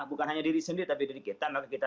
bukan hanya diri sendiri tapi diri kita tapi kita